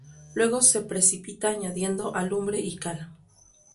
Luego se precipita añadiendo alumbre y cal.